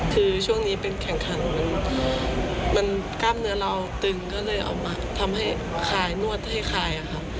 คือช่วงนี้เป็นแข่งขันมันกล้ามเนื้อเราตึงก็เลยเอามาทำให้คลายนวดให้คลายอะค่ะ